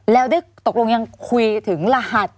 แล้วได้ตกลงยังคุยถึงรหัส